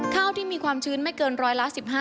ข้าวที่มีความชื้นไม่เกินร้อยละ๑๕